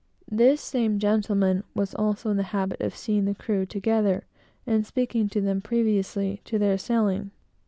This same gentleman was also in the habit of seeing the crew together, and speaking to them previously to their sailing.